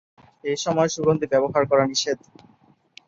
এসময় সুগন্ধি ব্যবহার করা নিষেধ।